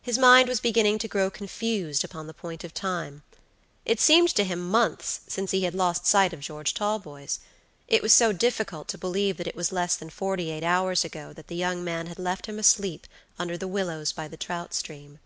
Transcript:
His mind was beginning to grow confused upon the point of time. It seemed to him months since he had lost sight of George Talboys. It was so difficult to believe that it was less than forty eight hours ago that the young man had left him asleep under the willows by the trout stream.